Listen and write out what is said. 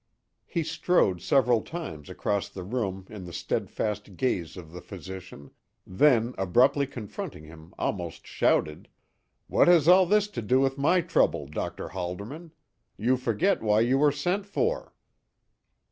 He strode several times across the room in the steadfast gaze of the physician; then, abruptly confronting him, almost shouted: "What has all this to do with my trouble, Dr. Halderman? You forget why you were sent for."